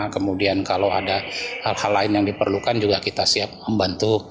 kemudian kalau ada hal hal lain yang diperlukan juga kita siap membantu